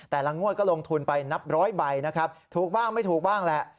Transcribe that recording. แต่ละงวดก็ลงทุนไปนับร้อยใบนะครับถูกบ้างไม่ถูกบ้างแหละ